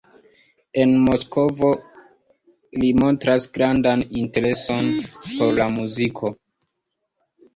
En Moskvo li montras grandan intereson por la muziko.